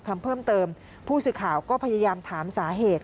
คำเพิ่มเติมผู้สื่อข่าวก็พยายามถามสาเหตุ